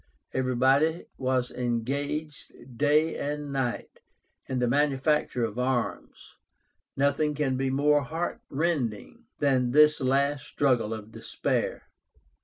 Everybody was engaged day and night in the manufacture of arms. Nothing can be more heartrending than this last struggle of despair.